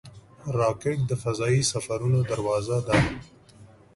راکټ د فضايي سفرونو دروازه ده